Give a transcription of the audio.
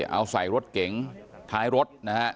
เอาใส่รถเข็งท้ายรถ